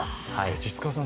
實川さん